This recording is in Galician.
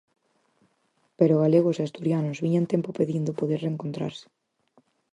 Pero galegos e asturianos viñan tempo pedindo poder reencontrarse.